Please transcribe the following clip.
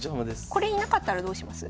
これ居なかったらどうします？